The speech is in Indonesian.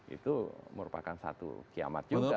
itu merupakan satu kiamat juga